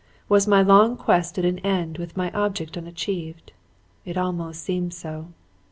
Was my long quest at an end with my object unachieved? It almost seemed so.